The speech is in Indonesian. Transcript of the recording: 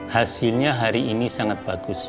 hasilnya hari ini sangat bagus